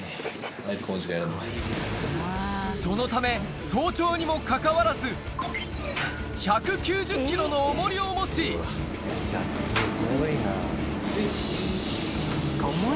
そのため早朝にもかかわらず１９０ｋｇの重りを持ちイチ。